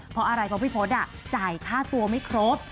เพราะอะไรเพราะพี่พศจ่ายค่าตัวไม่ครบ